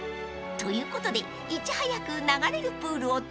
［ということでいち早く流れるプールを体験］